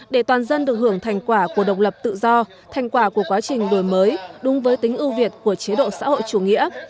để toàn dân được hưởng thành quả của độc lập tự do thành quả của quá trình đổi mới đúng với tính ưu việt của chế độ xã hội chủ nghĩa